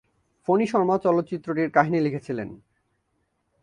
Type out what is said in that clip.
ফণী শর্মা চলচ্চিত্রটির কাহিনী লিখেছিলেন।